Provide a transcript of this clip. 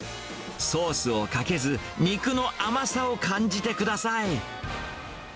ソースをかけず、肉の甘さを感じてください。